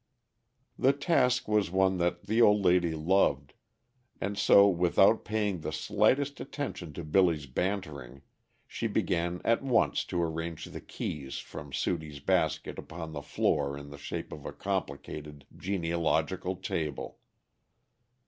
The task was one that the old lady loved, and so without paying the slightest attention to Billy's bantering she began at once to arrange the keys from Sudie's basket upon the floor in the shape of a complicated genealogical table.